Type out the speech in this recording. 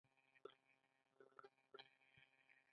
که شتمني د انسانیت معیار وای، نو فقیران به تر ټولو بد خلک وای.